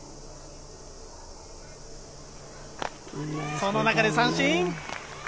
その中で三振。